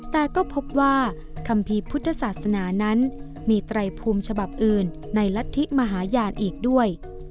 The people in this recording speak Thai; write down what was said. แต่ก็พบว่าคัมภีร์พุทธศาสนานั้นมีไตรภูมิฉบับอื่นในรัฐธิมหาญาณอีกด้วย